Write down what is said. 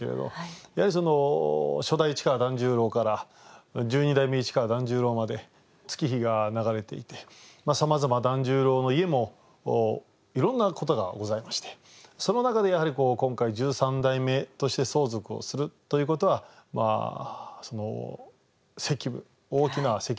やはり初代市川團十郎から十二代目市川團十郎まで月日が流れていてさまざま團十郎の家もいろんなことがございましてその中でやはり今回十三代目として相続をするということは責務大きな責任。